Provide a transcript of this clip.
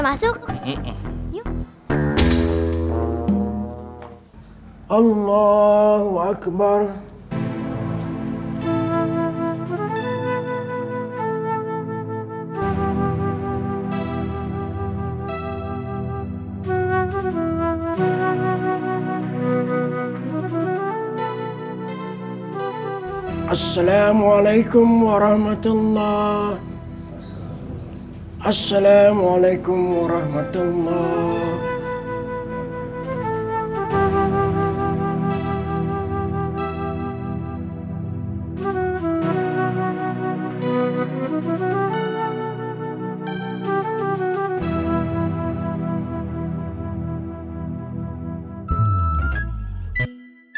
kan suka kan vlog runduk berundang duk